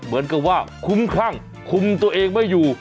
เหมือนกับว่าคุ้มครั่งคุมตัวเองไม่อยู่